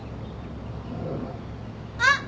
あっ。